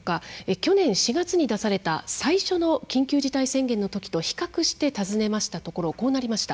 去年４月に出された最初の緊急事態宣言のときと比較して、尋ねましたところこうなりました。